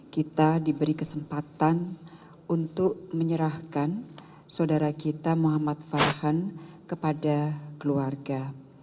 kita diberi kesempatan untuk menyerahkan saudara kita muhammad farhan kepada keluarga